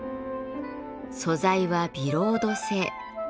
素材はビロード製。